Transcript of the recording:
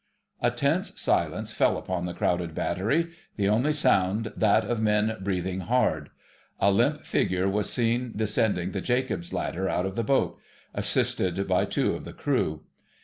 _" A tense silence fell upon the crowded battery: the only sound that of men breathing hard. A limp figure was seen descending the Jacob's ladder out of the boat, assisted by two of the crew.